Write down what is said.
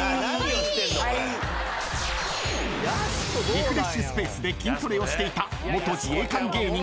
［リフレッシュスペースで筋トレをしていた元自衛官芸人］